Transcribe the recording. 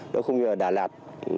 nó không như là đà lạt